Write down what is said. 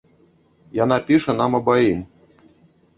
Яна піша нам абаім.